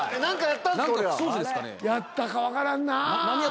やったか分からんなぁ。